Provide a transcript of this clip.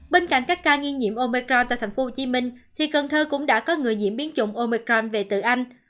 bên cạnh các ca nghi nhiễm ometro tại tp hcm thì cần thơ cũng đã có người nhiễm biến chủng omicron về từ anh